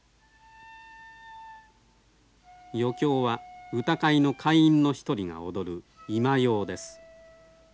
余興は歌会の会員の一人が踊る今様です。